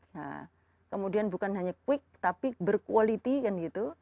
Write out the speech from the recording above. nah kemudian bukan hanya quick tapi berkualitas kan gitu